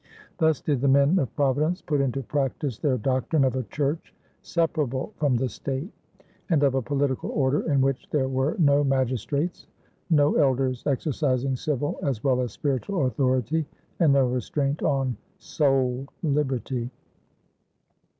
Thus did the men of Providence put into practice their doctrine of a church separable from the state, and of a political order in which there were no magistrates, no elders exercising civil as well as spiritual authority, and no restraint on soul liberty.